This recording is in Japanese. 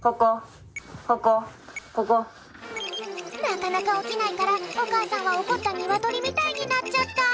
なかなかおきないからおかあさんはおこったニワトリみたいになっちゃった。